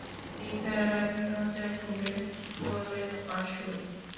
নিসার আলি দরজা খুলে বললেন, আসুন।